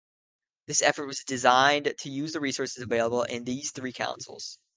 This effort was designed to use the resources available in these three councils.